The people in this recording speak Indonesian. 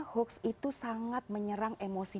hoax itu sangat menyerang emosi